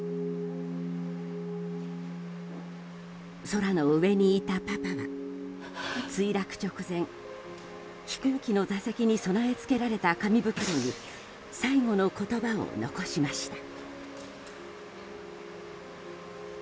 空の上にいたパパは墜落直前飛行機の座席に備え付けられた紙袋に最後の言葉を残しました。